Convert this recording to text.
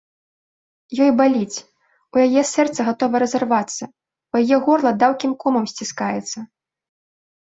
Ёй баліць, у яе сэрца гатова разарвацца, у яе горла даўкім комам сціскаецца.